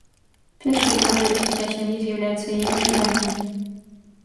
Першай фазай развіцця сям'і з'яўляецца яе пашырэнне.